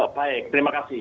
baik terima kasih